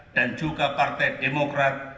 dan juga partai demokrat